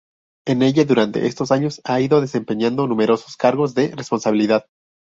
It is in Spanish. En ella, durante estos años ha ido desempeñando numerosos cargos de responsabilidad.